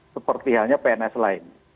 seperti halnya pns lain